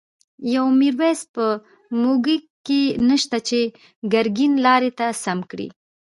يو” ميرويس ” په موږکی نشته، چی ګر ګين لاری ته سم کړی